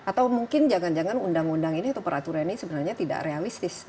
atau mungkin jangan jangan undang undang ini atau peraturan ini sebenarnya tidak realistis